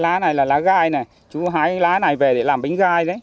lá này là lá gai này chú hái lá này về để làm bánh gai đấy